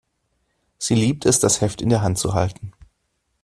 Sie liebt es, das Heft in der Hand zu halten.